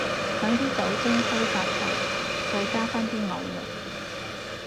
等啲酒精揮發齊，再加返啲牛肉